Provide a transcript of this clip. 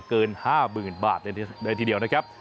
เกิน๕๐๐๐บาทเลยทีเดียวนะครับ